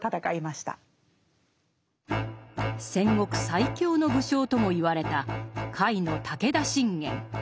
戦国最強の武将とも言われた甲斐の武田信玄。